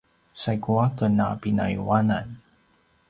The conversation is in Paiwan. saigu a ken a pinayuanan